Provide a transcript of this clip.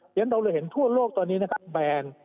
ฉะนั้นเราเห็นทั่วโลกตอนนี้แบน